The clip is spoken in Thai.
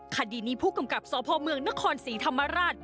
คดีนี้ผู้กำกับสพเมืองนครศรีธรรมราช